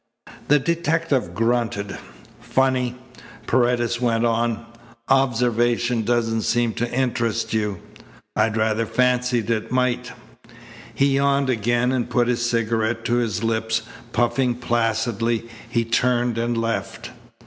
The detective grunted. "Funny!" Paredes went on. "Observation doesn't seem to interest you. I'd rather fancied it might." He yawned again and put his cigarette to his lips. Puffing placidly, he turned and left.